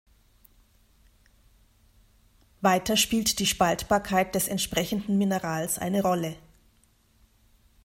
Weiter spielt die Spaltbarkeit des entsprechenden Minerals eine Rolle.